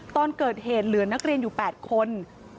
ตอนเกิดเหตุเหลือนักเรียนอยู่๘คน